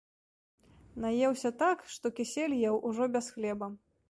Наеўся так, што кісель еў ужо без хлеба.